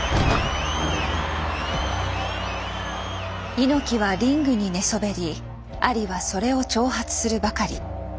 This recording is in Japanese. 猪木はリングに寝そべりアリはそれを挑発するばかり。